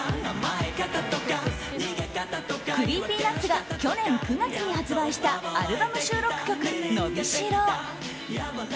ＣｒｅｅｐｙＮｕｔｓが去年９月に発売したアルバム収録曲「のびしろ」。